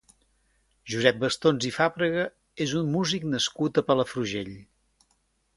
Josep Bastons i Fàbrega és un músic nascut a Palafrugell.